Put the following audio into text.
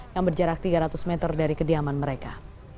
penyerangan di tempat umum yang berjarak tiga ratus meter dari kediaman mereka